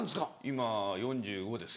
今４５です。